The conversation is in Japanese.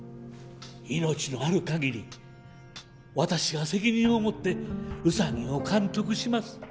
命のある限り私が責任を持ってウサギを監督します。